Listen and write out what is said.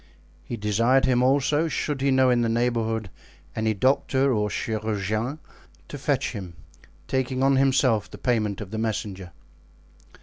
He desired him also, should he know in the neighborhood any doctor or chirurgeon, to fetch him, taking on himself the payment of the messenger.